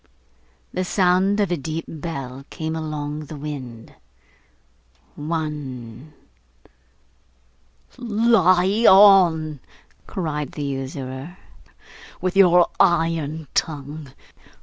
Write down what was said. The sound of a deep bell came along the wind. One. 'Lie on!' cried the usurer, 'with your iron tongue!